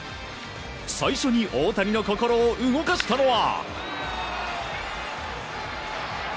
最初に大谷の心を動かしたのは。